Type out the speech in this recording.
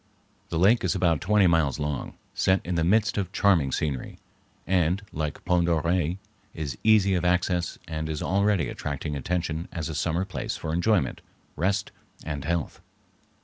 The lake is about twenty miles long, set in the midst of charming scenery, and, like Pend d'Oreille, is easy of access and is already attracting attention as a summer place for enjoyment, rest, and health.